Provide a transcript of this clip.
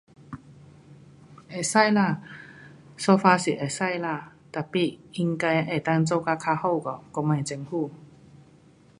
可以啦，so far 是可以啦 tapi 应该能够做到较好嘎我们政府。